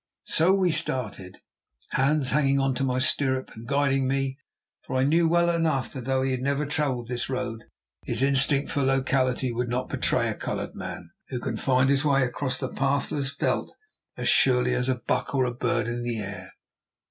So we started, Hans hanging to my stirrup and guiding me, for I knew well enough that although he had never travelled this road, his instinct for locality would not betray a coloured man, who can find his way across the pathless veld as surely as a buck or a bird of the air.